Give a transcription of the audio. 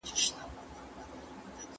حقایق باید په صحیح او دقیق ډول بیان سي.